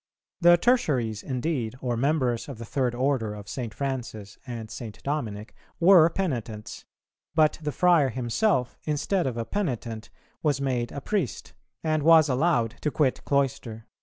The Tertiaries indeed, or members of the third order of St. Francis and St. Dominic, were penitents; but the friar himself, instead of a penitent, was made a priest, and was allowed to quit cloister.